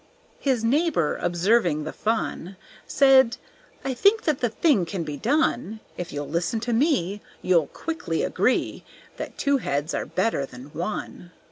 His neighbor, observing the fun, Said, "I think that the thing can be done, If you'll listen to me, You'll quickly agree That two heads are better than one.